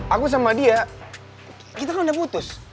aku sama dia kita kan udah putus